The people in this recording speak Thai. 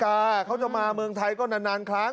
การนอนไม่จำเป็นต้องมีอะไรกัน